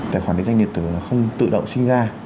tài khoản định danh điện tử nó không tự động sinh ra